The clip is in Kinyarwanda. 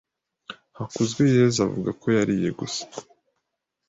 Hakuzweyezu avuga ko yariye gusa.